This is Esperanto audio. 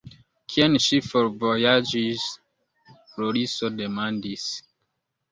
Kien ŝi forvojaĝis? Floriso demandis.